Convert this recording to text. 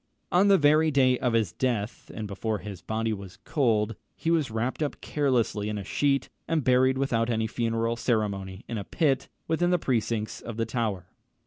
On the very day of his death, and before his body was cold, he was wrapped up carelessly in a sheet, and buried without any funeral ceremony in a pit within the precincts of the Tower.